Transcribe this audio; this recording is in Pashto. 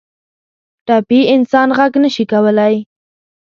ټپي انسان غږ نه شي کولی.